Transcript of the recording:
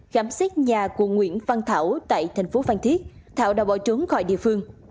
khám xét nhà của nguyễn văn thảo tại tp van thiết thảo đã bỏ trốn khỏi địa phương